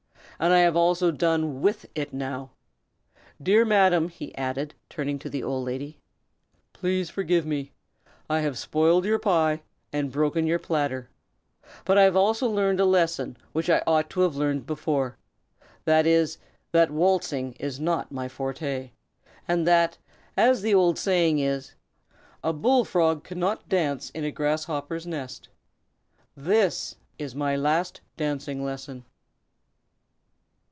And I have also done with it now. Dear Madam," he added, turning to the old lady, "please forgive me! I have spoiled your pie, and broken your platter; but I have also learned a lesson, which I ought to have learned before, that is, that waltzing is not my forte, and that, as the old saying is, 'A bullfrog cannot dance in a grasshopper's nest.' This is my last dancing lesson!"